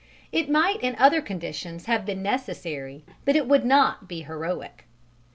It might in other conditions have been necessary, but it would not be heroic.